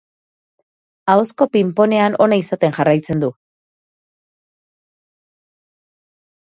Ahozko ping-pongean ona izaten jarraitzen du.